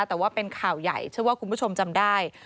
แต่ว่าเป็นข่าวใหญ่เชื่อว่าคุณผู้ชมจำได้